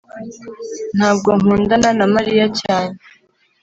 ntabwo nkundana na mariya cyane